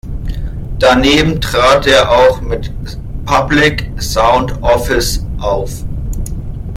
Daneben trat er auch mit „Public Sound Office“ auf.